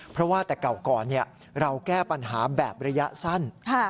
เพราะว่าแต่เก่าก่อนเราแก้ปัญหาแบบระยะสั้น